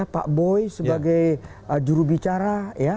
pak boy sebagai jurubicara